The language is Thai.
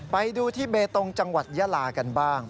ไปดูที่เบตงจังหวัดยาลากันบ้าง